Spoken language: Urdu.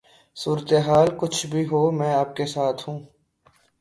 صورتحال کچھ بھی ہو میں آپ کے ساتھ ہوں